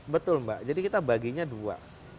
betul mbak jadi kita baginya dua